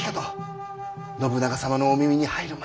信長様のお耳に入る前に。